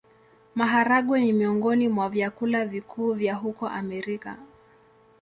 Maharagwe ni miongoni mwa vyakula vikuu vya huko Amerika.